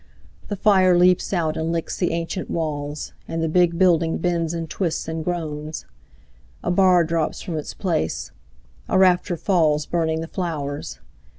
The fire leaps out and licks the ancient walls, And the big building bends and twists and groans. A bar drops from its place; a rafter falls Burning the flowers.